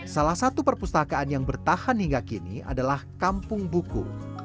salah satu perpustakaan yang bertahan hingga kini adalah kampung buku